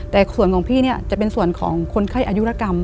แต่ส่วนของพี่เนี่ยจะเป็นส่วนของคนไข้อายุรกรรม